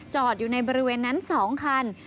จอดอยู่ในบริเวณนั้น๒คัน